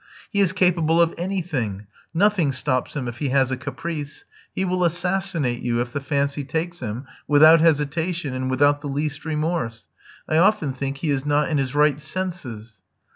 "He is capable of anything, nothing stops him if he has a caprice. He will assassinate you, if the fancy takes him, without hesitation and without the least remorse. I often think he is not in his right senses."